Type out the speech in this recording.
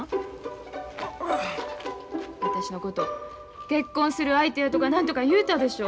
私のこと結婚する相手やとか何とか言うたでしょ？